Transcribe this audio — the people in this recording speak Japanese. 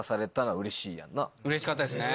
うれしかったですね。